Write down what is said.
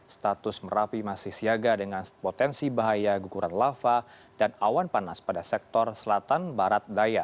status merapi masih siaga dengan potensi bahaya guguran lava dan awan panas pada sektor selatan barat daya